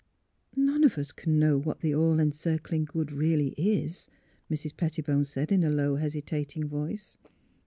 '' None of us can know what the All Encircling Good really is," Mrs. Pettibone said, in a low, hesitating voice.